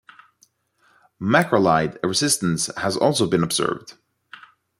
Macrolide resistance has also been observed.